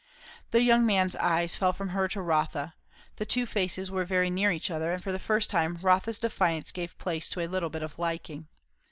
The young man's eyes fell from her to Rotha; the two faces were very near each other; and for the first time Rotha's defiance gave place to a little bit of liking.